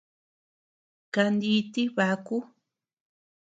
Kaniiti baku.